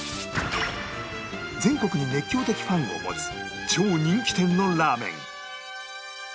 全国に熱狂的ファンを持つ超人気店のラーメン